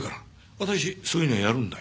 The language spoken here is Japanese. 私そういうのやるんだよ。